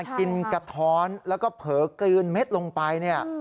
กินกระท้อนแล้วก็เผลอกลืนเม็ดลงไปเนี่ย